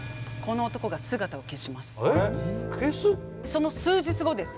その数日後です。